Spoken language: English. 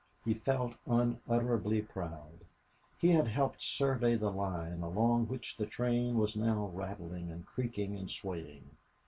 He felt unutterably proud. He had helped survey the line along which the train was now rattling and creaking and swaying.